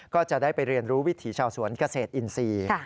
ก็จะได้ไปเรียนรู้วิถีชาวสวนเกษตรอินทรีย์